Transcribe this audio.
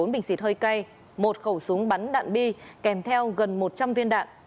bốn bình xịt hơi cay một khẩu súng bắn đạn bi kèm theo gần một trăm linh viên đạn